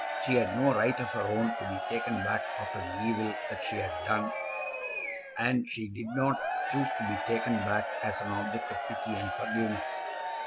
She had no right of her own to be taken back after the evil that she had done, and she did not choose to be taken back as an object of pity and forgiveness.